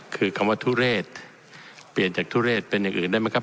คือคำว่าทุเรศเปลี่ยนจากทุเรศเป็นอย่างอื่นได้ไหมครับ